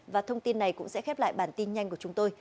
và thông tin này cũng sẽ khép lại bản tin nhanh của chúng tôi